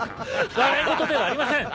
笑いごとではありません！